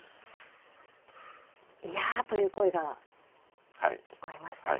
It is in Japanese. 「いや」という声が聞こえましたね。